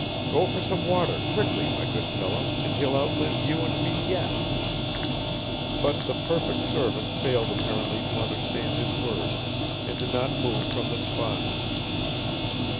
"Go for some water quickly, my good fellow, and he'll outlive you and me yet." But the perfect servant failed apparently to understand his words and did not move from the spot.